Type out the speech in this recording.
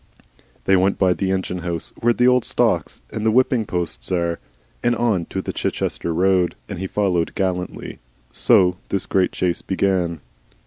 They went by the engine house where the old stocks and the whipping posts are, and on to the Chichester road, and he followed gallantly. So this great chase began.